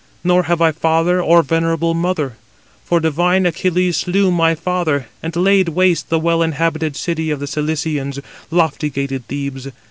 Nor have I father or venerable mother. For divine Achilles slew my father, and laid waste the well inhabited city of the Cilicians, lofty gated Thebes.